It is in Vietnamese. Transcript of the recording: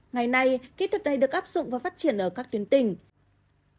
ngày nay kỹ thuật này được áp dụng và phát triển ở các tuyến tỉnh